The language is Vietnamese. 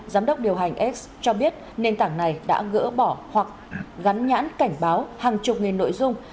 giám đốc điều hành x cho biết nền tảng này đã gỡ bỏ hoặc gắn nhãn cảnh báo hàng chục nghìn nội dung